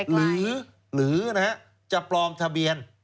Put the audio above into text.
หรือหรือนะครับจะปลอมทะเบียน